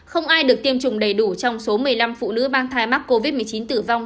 không ai được tiêm chủng đầy đủ trong số một mươi năm phụ nữ mang thai mắc covid một mươi chín tử vong